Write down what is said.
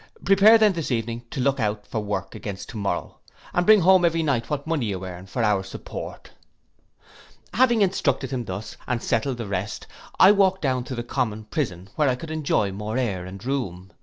Prepare then this evening to look out for work against to morrow, and bring home every night what money you earn, for our support.' Having thus instructed him, and settled the rest, I walked down to the common prison, where I could enjoy more air and room.